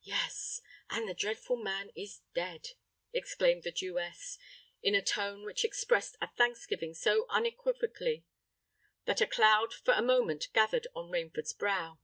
"Yes—and the dreadful man is dead!" exclaimed the Jewess, in a tone which expressed a thanksgiving so unequivocally that a cloud for a moment gathered on Rainford's brow.